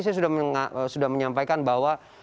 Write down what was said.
saya sudah menyampaikan bahwa